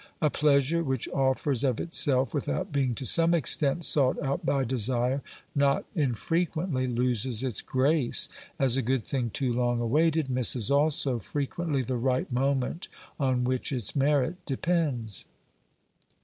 A pleasure which offers of itself without being to some extent sought out by desire not infrequently loses its grace, as a good thing too long awaited misses also frequently the right moment on which its merit depends.